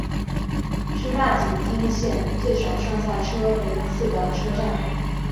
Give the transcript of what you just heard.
是大井町线最少上下车人次的车站。